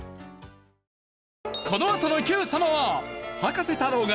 このあとの『Ｑ さま！！』は葉加瀬太郎が出題！